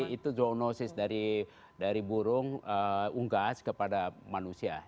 itu zoonosis dari burung unggas kepada manusia